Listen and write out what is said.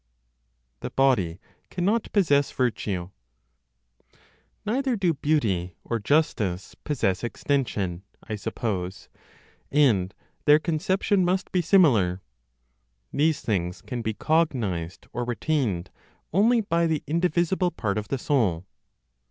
THE BODY CANNOT POSSESS VIRTUE. Neither do beauty or justice possess extension, I suppose; and their conception must be similar. These things can be cognized or retained only by the indivisible part of the soul.